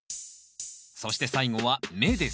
そして最後は芽です。